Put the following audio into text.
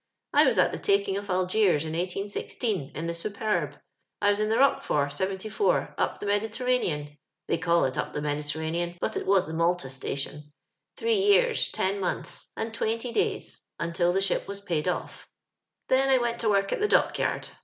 I was at the taking of Algiers, in 1810, in the Superb. I was in the Boch fort, 74, up the Mediterranean (they call it up the Mediterranean, but it was the Malta sta tion) three years, ten months, and twenty days, until the ship was paid ofil 'Then I went to work at the Dockyard.